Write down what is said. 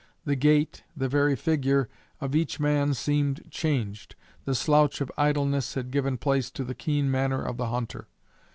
The gait, the very figure, of each man seemed changed; the slouch of idleness had given place to the keen manner of the hunter.